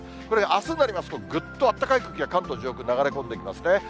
これがあすになりますと、ぐっとあったかい空気が関東上空に流れ込んできますね。